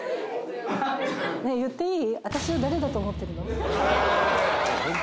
言っていい？